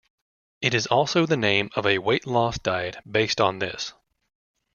It is also the name of a weight-loss diet based on this.